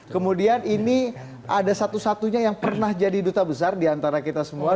kemudian ini ada satu satunya yang pernah jadi duta besar diantara kita semua